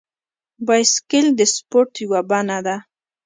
بایسکل د سپورت یوه بڼه ده.